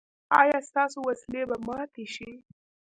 ایا ستاسو وسلې به ماتې شي؟